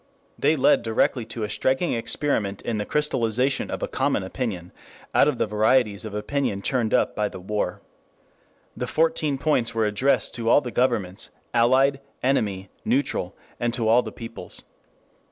They led directly to a striking experiment in the crystallization of a common opinion out of the varieties of opinion churned up by the war. The Fourteen Points were addressed to all the governments, allied, enemy, neutral, and to all the peoples.